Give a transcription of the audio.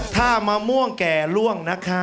ถ้ามะม่วงแก่ล่วงนะคะ